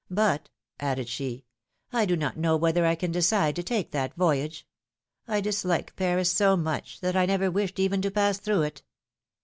But," added she, I do not know whether I can decide to take that voyage. I dislike Paris so much, that I never wished even to pass through it.